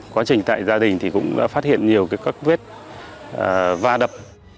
quá trình tại gia đình thì cũng đã phát hiện nhiều các vết va đập